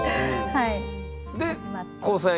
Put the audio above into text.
はい。